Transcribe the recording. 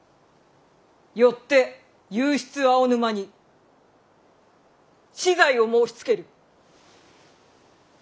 よって右筆青沼に死罪を申しつける。